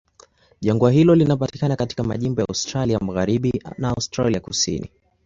Jangwa hilo linapatikana katika majimbo ya Australia Magharibi na Australia Kusini.